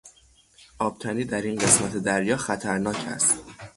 آبتنی در این قسمت دریا خطرناک است.